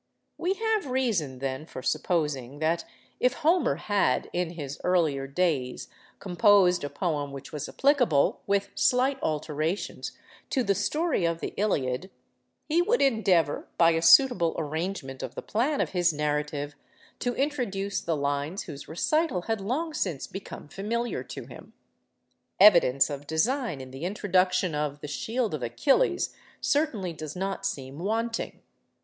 We have reason then for supposing that if Homer had, in his earlier days, composed a poem which was applicable, with slight alterations, to the story of the 'Iliad,' he would endeavour, by a suitable arrangement of the plan of his narrative, to introduce the lines whose recital had long since become familiar to him. Evidence of design in the introduction of the 'Shield of Achilles' certainly does not seem wanting.